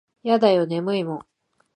やだよ眠いもん。